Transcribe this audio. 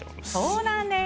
そうなんです。